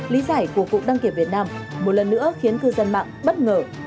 lý giải của cục đăng kiểm việt nam một lần nữa khiến cư dân mạng bất ngờ